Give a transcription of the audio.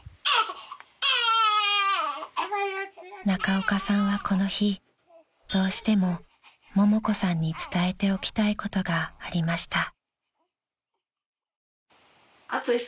［中岡さんはこの日どうしてもももこさんに伝えておきたいことがありました］